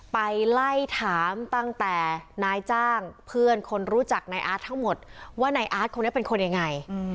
ไปไล่ถามตั้งแต่นายจ้างเพื่อนคนรู้จักนายอาร์ตทั้งหมดว่านายอาร์ตคนนี้เป็นคนยังไง